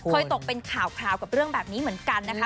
ตกเป็นข่าวคราวกับเรื่องแบบนี้เหมือนกันนะคะ